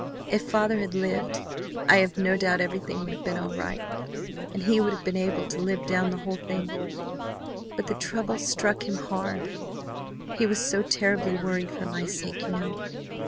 If father had lived I have no doubt everything would have been all right, and he would have been able to live down the whole thing, but the trouble had struck him hard, he was so terribly worried for my sake, you know.